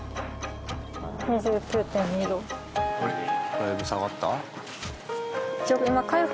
だいぶ下がった？